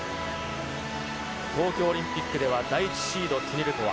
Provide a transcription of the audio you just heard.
東京オリンピックでは、第１シード、ティニベコワ。